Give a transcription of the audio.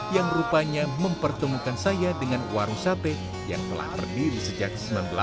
yang rupanya mempertemukan saya dengan warung sate yang telah berdiri sejak seribu sembilan ratus delapan puluh